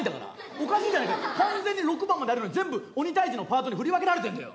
おかしいじゃねえか完全に６番まであるのに全部鬼退治のパートに振り分けられてんだよ。